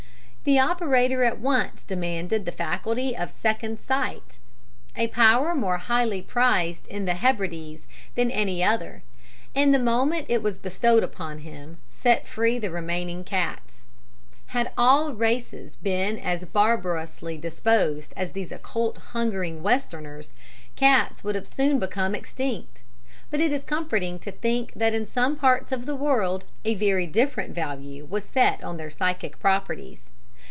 The operator at once demanded the faculty of second sight a power more highly prized in the Hebrides than any other and the moment it was bestowed on him, set free the remaining cats. Had all races been as barbarously disposed as these occult hungering Westerners, cats would soon have become extinct; but it is comforting to think that in some parts of the world a very different value was set on their psychic properties.